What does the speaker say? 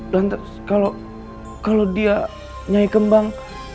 dan kalau dia nyai kembang